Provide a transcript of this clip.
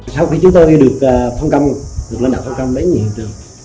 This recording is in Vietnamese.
sau khi chúng tôi được phong công được lên đạo phong công với những hiện trường